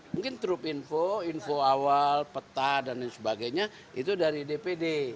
mungkin trup info info awal peta dan sebagainya itu dari dpd